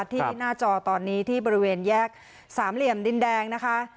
ที่หน้าจอตอนนี้ที่บริเวณแยกสามเหลี่ยมดินแดงนะคะ